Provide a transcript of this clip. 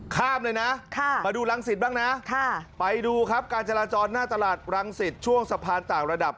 ข้ามเลยนะมาดูรังสิตบ้างนะไปดูครับการจราจรหน้าตลาดรังสิตช่วงสะพานต่างระดับ